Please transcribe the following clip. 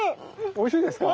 おいしいですか？